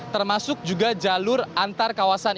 termasuk juga jalur antar kawasan